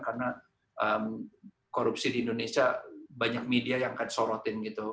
karena korupsi di indonesia banyak media yang akan sorotin gitu